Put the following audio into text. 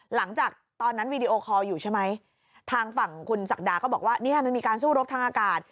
หลังจากนั้นวีดีโอคอลอยู่ใช่ไหมทางฝั่งคุณศักดาก็บอกว่าเนี่ยมันมีการสู้รบทางอากาศ